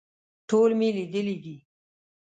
ټول مې لیدلي دي.